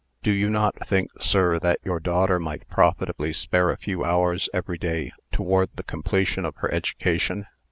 "Do you not think, sir, that your daughter might profitably spare a few hours every day toward the completion of her education?